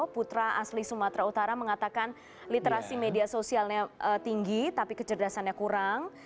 putra asli sumatera utara mengatakan literasi media sosialnya tinggi tapi kecerdasannya kurang